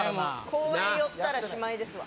公園寄ったらしまいですわ。